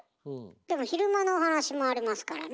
でも昼間の話もありますからね。